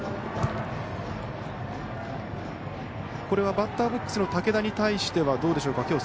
これはバッターボックスの武田に対してはどうでしょうか。